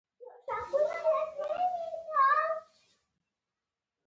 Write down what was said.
محصله قوه د لویې قوې جهت لري.